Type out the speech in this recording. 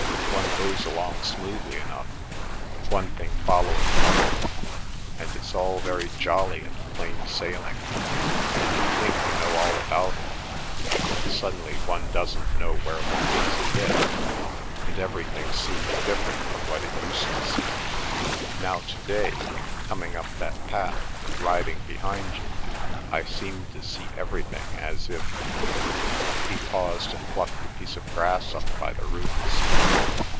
"One goes along smoothly enough, one thing following another, and it's all very jolly and plain sailing, and you think you know all about it, and suddenly one doesn't know where one is a bit, and everything seems different from what it used to seem. Now to day, coming up that path, riding behind you, I seemed to see everything as if—" he paused and plucked a piece of grass up by the roots.